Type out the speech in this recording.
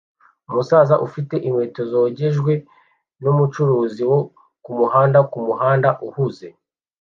Umusaza ufite inkweto zogejwe nu mucuruzi wo kumuhanda kumuhanda uhuze